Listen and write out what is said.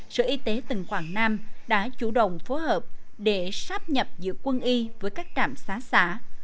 sở y tế tỉnh quảng nam đã chủ động phối hợp để sáp nhập giữa quân y với các trạm xá xã